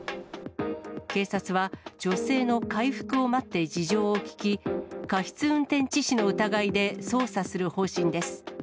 警察は、女性の回復を待って事情を聴き、過失運転致死の疑いで捜査する方針です。